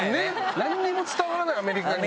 なんにも伝わらないアメリカに。